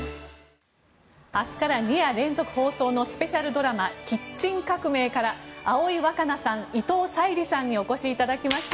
明日から２夜連続放送のスペシャルドラマ「キッチン革命」から葵わかなさん、伊藤沙莉さんにお越しいただきました。